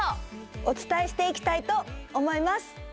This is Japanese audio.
お伝えしていきたいと思います！